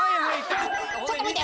ちょっと見て。